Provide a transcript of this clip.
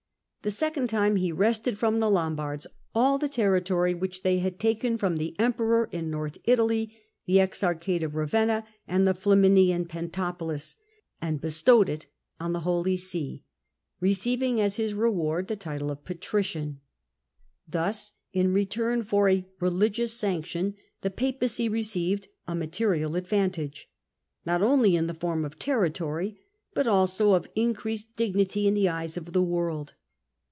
The second time he wrested from the Lombards all the territory which they had taken from the emperor in North Italy, the Ex archate of Bavenna and the Flaminian Pentapolis, and bestowed it on the Holy See, receiving as his reward the 4 title of Patrician. Thus, in return for a religious sanc tion, the Papacy received a material advantage, not only in the form of territory, but also of increased dignity in the eyes of the world.